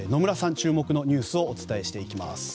注目のニュースをお伝えしていきます。